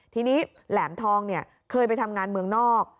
ทีนี้แหลมทองเคยไปทำงานเมืองนอก